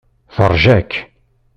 Teṛja-k.